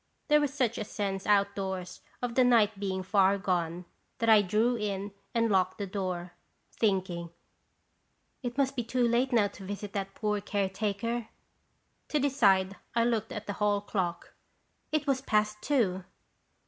There was such a sense outdoors of the night being far gone that I drew in and locked the door, thinking "It must be too late now to visit that poor care taker." To decide I looked at the hall clock. It was past two!